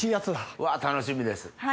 うわ楽しみです。